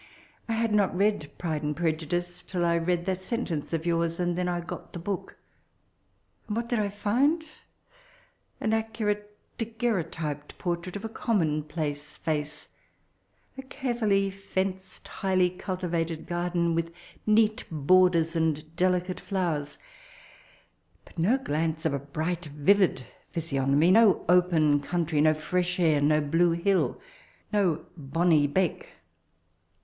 I had not read Pride and Prejvdke tUl I read that sentence of yours, and then I got the book. And what did I find ? An accurate daguerreotyped portrate of a commonpIiM» face ; a carefully fenced, highly cultivated garden, with neat borders and deli cate flowers; but no glance of a bright, vivid physiognomy, no open country, no fresh air, no blue hill, no bonny beck.